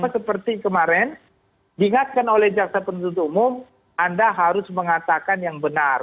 seperti kemarin diingatkan oleh jaksa penuntut umum anda harus mengatakan yang benar